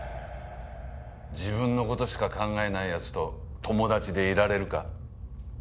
自分の事しか考えない奴と友達でいられるか？